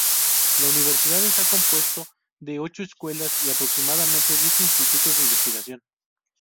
La universidad está compuesto de ocho escuelas y aproximadamente diez institutos de investigación.